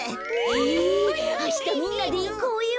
えあしたみんなでいこうよ！